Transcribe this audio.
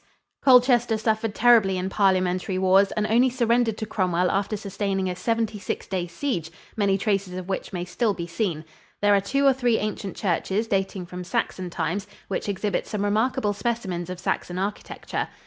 Colchester suffered terribly in Parliamentary wars and only surrendered to Cromwell after sustaining a seventy six day siege, many traces of which may still be seen. There are two or three ancient churches dating from Saxon times which exhibit some remarkable specimens of Saxon architecture.